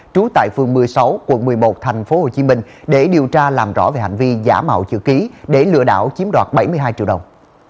trú tại phương một mươi sáu quận một mươi một thành phố hồ chí minh để điều tra làm rõ về hành vi giả mạo chữ ký để lựa đảo chiếm đoạt bảy mươi hai triệu đồng